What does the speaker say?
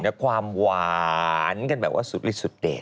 และความหวานกันแบบว่าสุดลิดสุดเด็ด